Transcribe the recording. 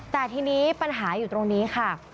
แต่ทีนี้ปัญหาอยู่ตรงนี้ค่ะ